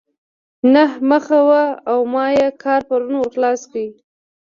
نهه مخه وه او ما ئې کار پرون ور خلاص کړ.